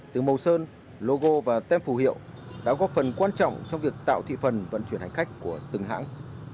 từ màu sơn logo và tem phù hiệu đã góp phần quan trọng trong việc tạo thị phần vận chuyển hành khách của từng hãng